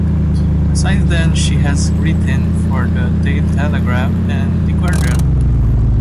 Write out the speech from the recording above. Since then she has written for "The Daily Telegraph" and "The Guardian".